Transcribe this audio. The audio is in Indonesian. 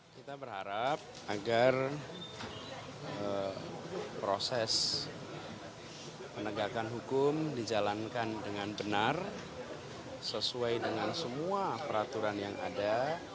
kita berharap agar proses penegakan hukum dijalankan dengan benar sesuai dengan semua peraturan yang ada